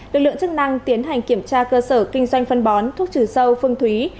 lực lượng chức năng tiến hành kiểm tra cơ sở kinh doanh phân bón thuốc trừ sâu phương thúy